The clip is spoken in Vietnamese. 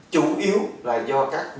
chủ yếu là do các nhà thầu xây dựng